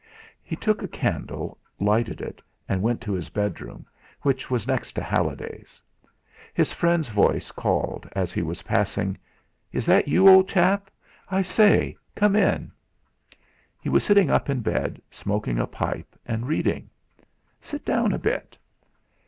He took a candle, lighted it, and went to his bedroom, which was next to Halliday's. His friend's voice called, as he was passing: "Is that you, old chap? I say, come in." He was sitting up in bed, smoking a pipe and reading. "Sit down a bit."